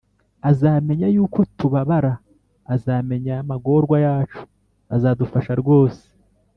Azameny' uko tubabara, Azameny' amagorwa yacu, Azadufasha rwose.